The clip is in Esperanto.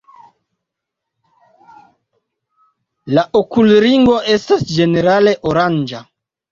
La okulringo estas ĝenerale oranĝa.